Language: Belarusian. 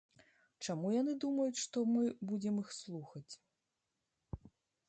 Чаму яны думаюць, што мы будзем іх слухаць?